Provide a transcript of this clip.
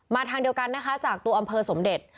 ทางเดียวกันนะคะจากตัวอำเภอสมเด็จ